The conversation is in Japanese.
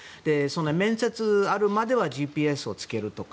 面接あるまではＧＰＳをつけるとか。